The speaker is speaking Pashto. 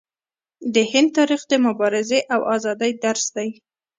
د هند تاریخ د مبارزې او ازادۍ درس دی.